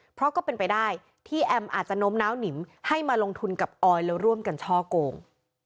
เพราะก็เป็นไปได้ที่แอมอาจจะโน้มน้าวหนิมให้มาลงทุนกับออยแล้วร่วมกันช่อโกง